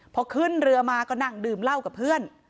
พอขึ้นเรือมาก็นั่งดื่มเหล้ากับเพื่อน